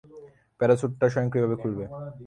প্যারাসুটটা স্বয়ংক্রিয়ভাবে খুলবে।